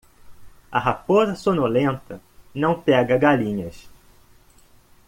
A raposa sonolenta não pega galinhas.